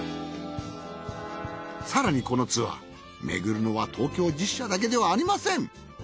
更にこのツアーめぐるのは東京十社だけではありません。